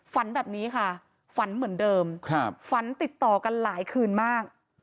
ฝันแบบนี้ค่ะฝันเหมือนเดิมฝันติดต่อกันหลายคืนมาก